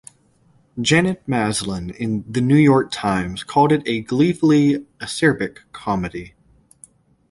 Janet Maslin in "The New York Times" called it a "gleefully acerbic comedy".